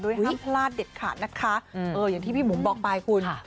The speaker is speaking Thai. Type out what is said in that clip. พลาดเด็ดขาดนะคะอย่างที่พี่บุ๋มบอกไปคุณ